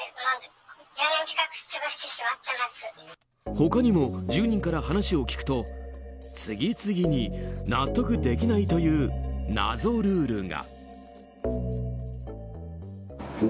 他にも住人から話を聞くと次々に納得できないという謎ルールが。